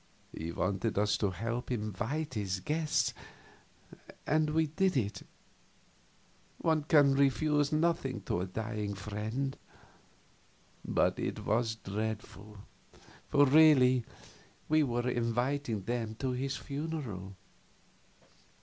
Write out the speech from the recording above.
He wanted us to help him invite his guests, and we did it one can refuse nothing to a dying friend. But it was dreadful, for really we were inviting them to his funeral.